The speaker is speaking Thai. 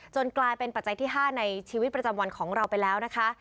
กลายเป็นปัจจัยที่๕ในชีวิตประจำวันของเราไปแล้วนะคะ